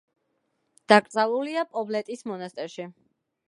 დაკრძალულია პობლეტის მონასტერში.